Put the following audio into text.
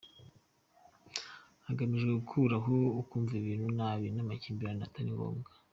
Hagamijwe gukuraho ukumva ibintu nabi n’amakimbirane atari ngombwa.